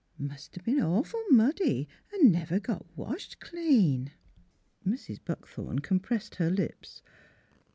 Must 'a' been awful muddy 'n' never got washed clean." Mrs. Buckthorn compressed her lips.